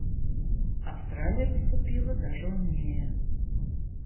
Австралия поступила даже умнее.